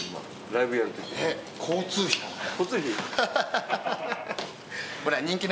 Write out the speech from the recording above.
ライブやるとき。